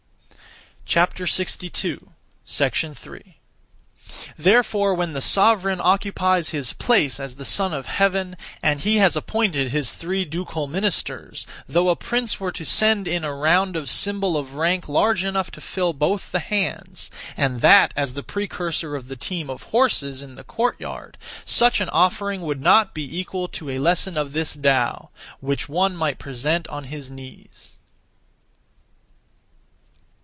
3. Therefore when the sovereign occupies his place as the Son of Heaven, and he has appointed his three ducal ministers, though (a prince) were to send in a round symbol of rank large enough to fill both the hands, and that as the precursor of the team of horses (in the court yard), such an offering would not be equal to (a lesson of) this Tao, which one might present on his knees.